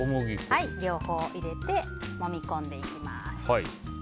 両方入れてもみ込んでいきます。